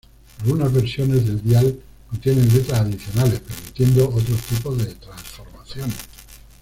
Algunas versiones del dial contienen letras adicionales, permitiendo otros tipos de transformaciones.